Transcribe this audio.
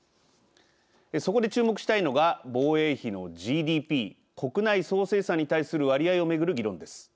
そこで注目したいのが防衛費のＧＤＰ＝国内総生産に対する割合をめぐる議論です。